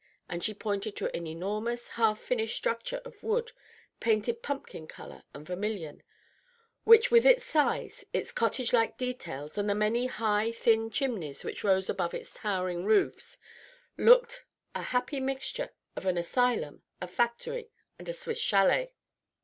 And she pointed to an enormous half finished structure of wood, painted pumpkin color and vermilion, which with its size, its cottage like details, and the many high thin chimneys which rose above its towering roofs, looked a happy mixture of an asylum, a factory, and a Swiss châlet.